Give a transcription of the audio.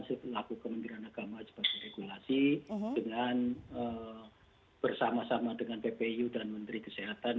sepelaku kementerian agama sebagai regulasi dengan bersama sama dengan ppu dan menteri kesehatan